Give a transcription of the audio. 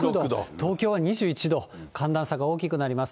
東京は２１度、寒暖差が大きくなります。